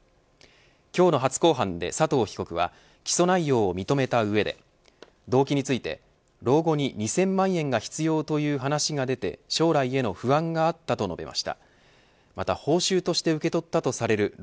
今日の初公判で佐藤被告は起訴内容を認めた上で動機について老後に２０００万円が必要という話が出て水曜日のお天気をお伝えします。